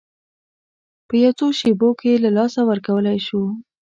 په یو څو شېبو کې یې له لاسه ورکولی شو.